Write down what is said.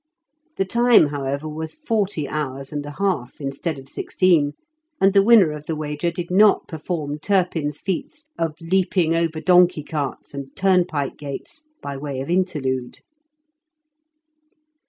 The time, however, was forty hours and a half, instead of sixteen, and the winner of the wager did not perform Turpin's feats of leaping over donkey carts and turnpike gates by way of interlude.